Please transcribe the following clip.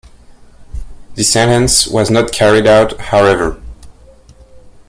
The sentence was not carried out, however.